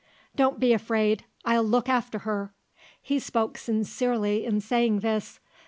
"Don't be afraid; I'll look after her." He spoke sincerely in saying this.